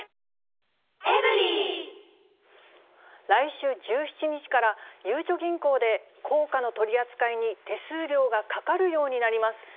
来週１７日から、ゆうちょ銀行で硬貨の取り扱いに手数料がかかるようになります。